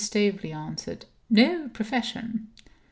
Staveley answered: "No profession."